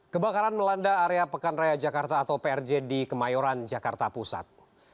kebakaran melanda area pekan raya jakarta atau prj di kemayoran jakarta pusat